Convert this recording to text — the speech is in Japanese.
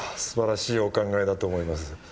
すばらしいお考えだと思います。